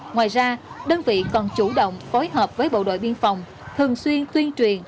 ngoài ra đơn vị còn chủ động phối hợp với bộ đội biên phòng thường xuyên tuyên truyền